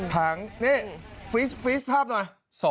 ถังนี่ฟรีสฟรีสภาพหน่อย